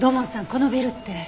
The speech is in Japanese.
このビルって。